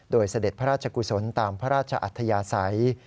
โดยเสด็จพระราชกุศลตามพระราชอัธยาศัย